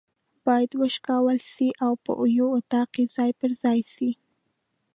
بايد وشکول سي او په یو اطاق کي ځای پر ځای سي